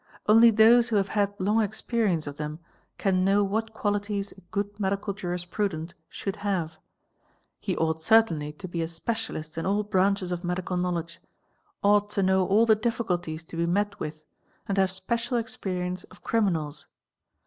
Only those who have had long experience of — them can know what qualities a good medical jurisprudent should have; he ought certainly to be a specialist in all branches of medical knowledge, — ought to know all the difficulties to be met with, and have special ex — perience of criminals.